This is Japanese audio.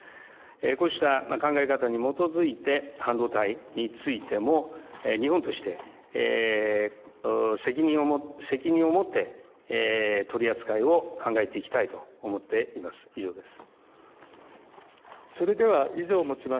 こうした考え方に基づいて半導体についても日本として責任をもって取り扱いを考えていきたいと思っています。